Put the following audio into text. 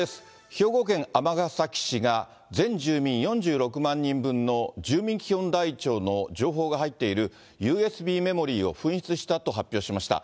兵庫県尼崎市が、全住民４６万人分の住民基本台帳の情報が入っているＵＳＢメモリーを紛失したと発表しました。